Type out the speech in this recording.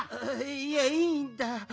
いやいいんだ。